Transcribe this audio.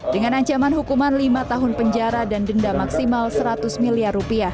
dengan ancaman hukuman lima tahun penjara dan denda maksimal rp seratus miliar